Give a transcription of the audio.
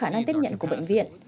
nhiều hơn tiết nhận của bệnh viện